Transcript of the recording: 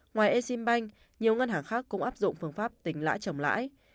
ngoài exim bank nhiều ngân hàng khác cũng áp dụng phương pháp tính lãi trồng lãi